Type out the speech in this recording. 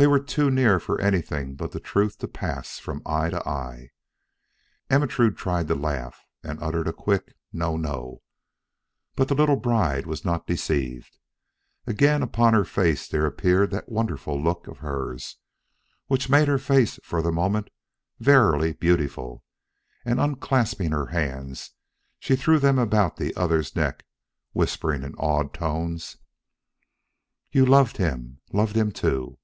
They were too near for anything but the truth to pass from eye to eye. Ermentrude tried to laugh and utter a quick No, no! but the little bride was not deceived. Again upon her face there appeared that wonderful look of hers, which made her face for the moment verily beautiful, and unclasping her hands, she threw them about the other's neck, whispering in awed tones: "Yet you loved him! loved him too!"